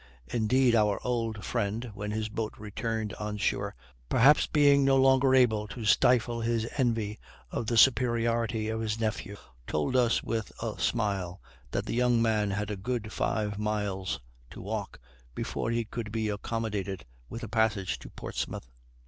Indeed, our old friend, when his boat returned on shore, perhaps being no longer able to stifle his envy of the superiority of his nephew, told us with a smile that the young man had a good five mile to walk before he could be accommodated with a passage to Portsmouth.